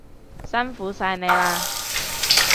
辛苦晒你喇